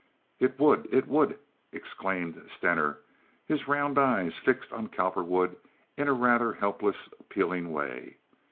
"It would, it would!" exclaimed Stener, his round eyes fixed on Cowperwood in a rather helpless, appealing way.